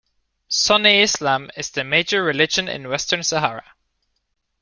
Sunni Islam is the major religion in Western Sahara.